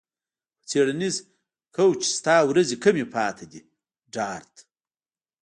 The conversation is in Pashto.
په څیړنیز کوچ ستا ورځې کمې پاتې دي ډارت